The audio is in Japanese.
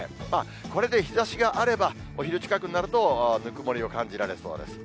これで日ざしがあれば、お昼近くになると、ぬくもりを感じられそうです。